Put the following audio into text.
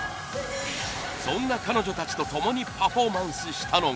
そんな彼女たちとともにパフォーマンスしたのが。